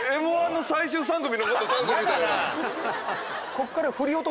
こっから。